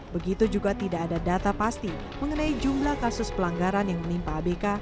begitu juga tidak ada data pasti mengenai jumlah kasus pelanggaran yang menimpa abk